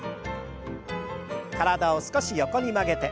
体を少し横に曲げて。